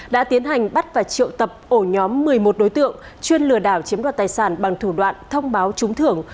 đã tiến hành bắt và triệu tập ổ nhóm một mươi một đối tượng chuyên lừa đảo chiếm đoạt tài sản bằng thủ đoạn thông báo trúng thưởng